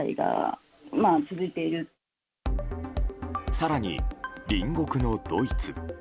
更に、隣国のドイツ。